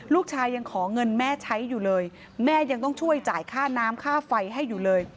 ลูกชายยังขอเงินแม่ใช้อยู่เลยแม่ยังต้องช่วยจ่ายค่าน้ำค่าไฟให้อยู่เลย